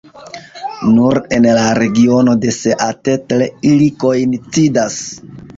Nur en la regiono de Seattle ili koincidas.